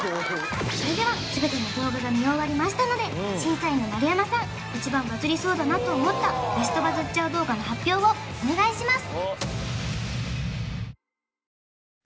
それでは全ての動画が見終わりましたので審査員の丸山さん一番バズりそうだなと思ったベストバズっちゃう動画の発表をお願いします